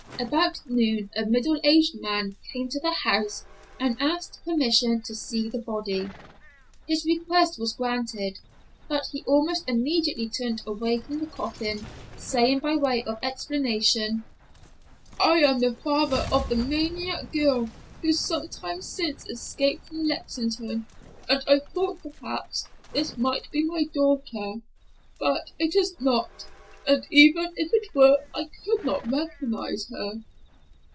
About noon a middle aged man came to the house and asked permission to see the body. His request was granted, but he almost immediately turned away from the coffin, saying, by way of explanation, "I am the father of the maniac girl who some time since escaped from Lexington, and I thought perhaps this might be my daughter; but it is not, and even if it were I could not recognize her."